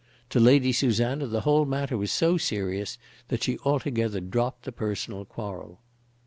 To Lady Susanna the whole matter was so serious that she altogether dropped the personal quarrel.